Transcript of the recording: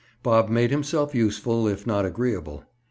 Bob made himself useful, if not agreeable.